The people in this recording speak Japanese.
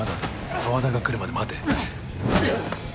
沢田が来るまで待て。